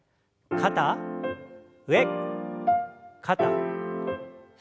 肩上肩下。